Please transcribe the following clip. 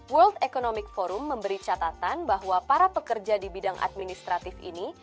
world economic forum memberi catatan bahwa para pekerja di bidang administratif ini